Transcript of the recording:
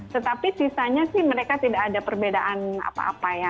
tetapi sisanya sih mereka tidak ada perbedaan apa apa ya